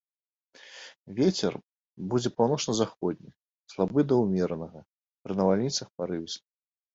Вецер будзе паўночна-заходні слабы да ўмеранага, пры навальніцах парывісты.